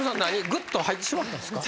ぐっと入ってしまったんすか？